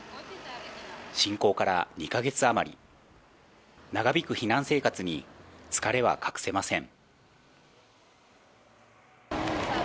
侵攻から２か月あまり、長引く避難生活に疲れは隠せません。